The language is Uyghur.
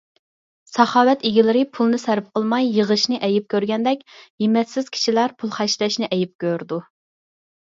ساخاۋەت ئىگىلىرى پۇلنى سەرپ قىلماي يىغىشنى ئەيىب كۆرگەندەك، ھىممەتسىز كىشىلەر پۇل خەجلەشنى ئەيىب كۆرىدۇ.